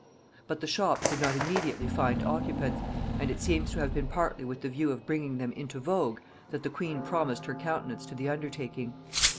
But the shops did not immediately find occupants; and it seems to have been partly with the view of bringing them into vogue that the queen promised her countenance to the undertaking.